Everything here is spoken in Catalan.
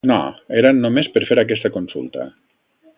No, era només per fer aquesta consulta.